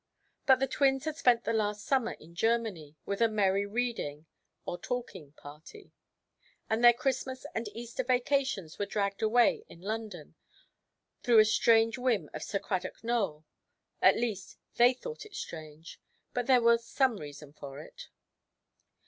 But the twins had spent the last summer in Germany, with a merry reading (or talking) party; and their Christmas and Easter vacations were dragged away in London, through a strange whim of Sir Cradock Nowell; at least, they thought it strange, but there was some reason for it.